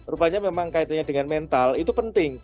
rupanya memang kaitannya dengan mental itu penting